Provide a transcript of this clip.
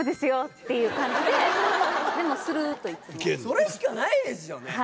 それしかないですよね